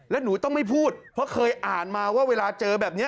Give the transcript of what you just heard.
แล้วหนูต้องไม่พูดเพราะเคยอ่านมาว่าเวลาเจอแบบนี้